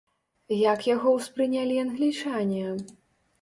Як яго ўспрынялі англічане?